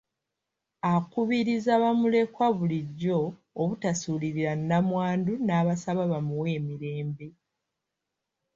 Akubirizza bamulekwa bulijjo obutasuulirira nnamwandu n’abasaba bamuwe emirembe.